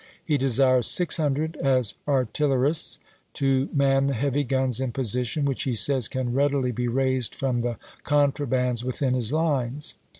He desires six hundred as artillerists, to man the hea\^ guns in position, which he says can readily be raised from the con trabands within his lines.